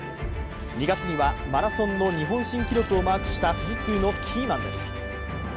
２月にはマラソンの日本新記録をマークした富士通のキーマンです。